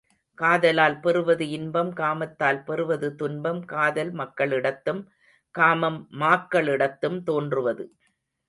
காதலால் பெறுவது இன்பம் காமத்தால் பெறுவது துன்பம் காதல் மக்களிடத்தும், காமம் மாக்களிடத்தும் தோன்றுவது.